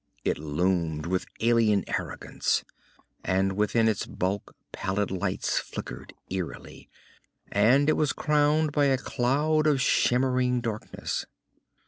It loomed with alien arrogance, and within its bulk pallid lights flickered eerily, and it was crowned by a cloud of shimmering darkness.